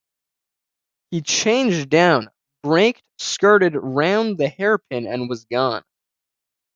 He changed down, braked, skirted round the Hairpin and was gone.